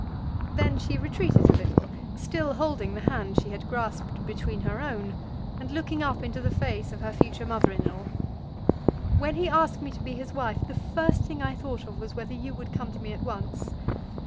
Then she retreated a little, still holding the hand she had grasped between her own, and looking up into the face of her future mother in law. "When he asked me to be his wife, the first thing I thought of was whether you would come to me at once."